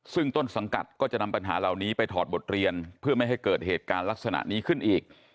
ซึ่งต้นสังกัดก็จะนำปัญหาเหล่านี้ไปถอดบทเรียนเพื่อไม่ให้เกิดเหตุการณ์ลักษณะนี้ขึ้นอีก